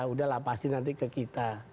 udah lah pasti nanti ke kita